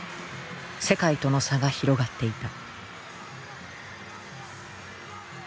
世界との差が広がっていた。